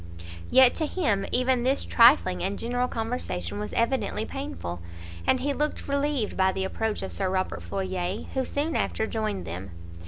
Yet, to him, even this trifling and general conversation was evidently painful, and he looked relieved by the approach of Sir Robert Floyer, who soon after joined them.